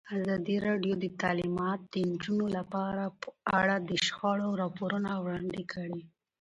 ازادي راډیو د تعلیمات د نجونو لپاره په اړه د شخړو راپورونه وړاندې کړي.